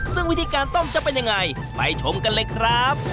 ซึ่งวิธีการต้มจะเป็นยังไงไปชมกันเลยครับ